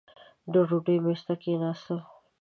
د ډوډۍ مېز ته کښېنستل.